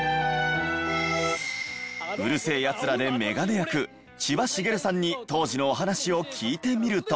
『うる星やつら』でメガネ役千葉繁さんに当時のお話を聞いてみると。